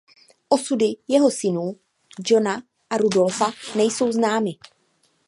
Osudy jeho synů Johanna a Rudolfa nejsou známy.